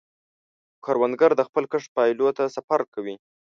کروندګر د خپل کښت پایلو ته صبر کوي